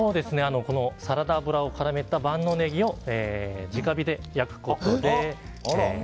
サラダ油を絡めた万能ネギを直火で焼きます。